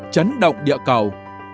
chấn động địa cầu